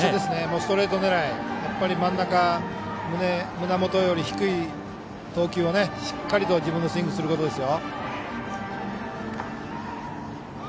ストレート狙い、真ん中胸元より低い投球を、しっかりと自分のスイングすることですよ。